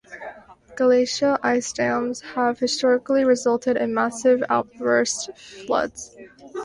Glacial ice dams have historically resulted in massive outburst floods.